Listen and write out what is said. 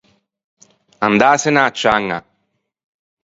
Andâsene a-a ciaña.